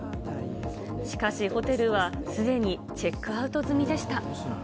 しかし、ホテルはすでにチェックアウト済みでした。